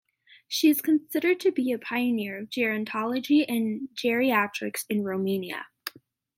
She is considered to be a pioneer of gerontology and geriatrics in Romania.